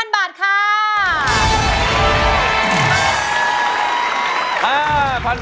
ร้องได้อย่างจริง